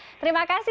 oke terima kasih